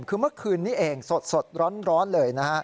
คือเมื่อคืนนี้เองสดร้อนเลยนะฮะ